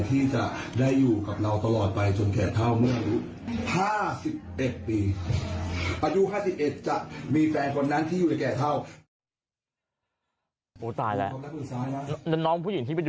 ที่จะได้อยู่กับเราตลอดไปจนแก่เท่าเมื่ออายุ๕๑ปี